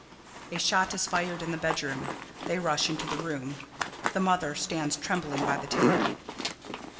[_A shot is fired in the bedroom. They rush into the room. The Mother stands trembling by the table.